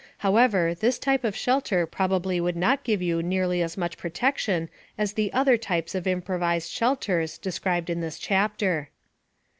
However, this type of shelter probably would not give you nearly as much protection as the other types of improvised shelters described in this chapter.